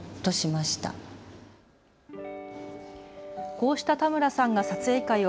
こうした田村さんが撮影会を